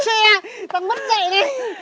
xe xe tầng mất dậy đi